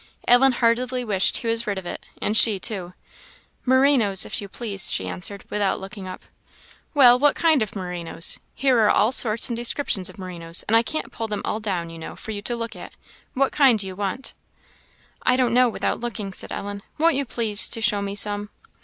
Ellen heartily wished he was rid of it, and she too. "Merinoes, if you please," she answered, without looking up. "Well, what kind of merinoes? Here are all sorts and descriptions of merinoes, and I can't pull them all down, you know, for you to look at. What kind do you want?" "I don't know without looking," said Ellen. "Won't you please to show me some?"